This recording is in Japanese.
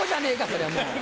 そりゃもう。